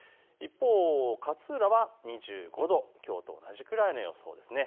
一方、勝浦は２５度、きょうと同じくらいの予想ですね。